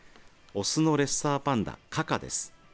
オスのレッサーパンダカカです。